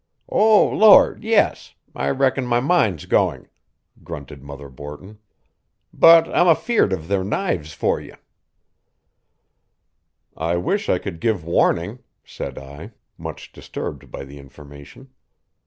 "Oh, Lord, yes! I reckon my mind's going," grunted Mother Borton. "But I'm afeard of their knives for ye." "I wish I could give warning," said I, much disturbed by the information.